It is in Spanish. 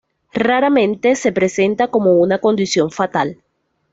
Raramente se presenta como una condición fatal.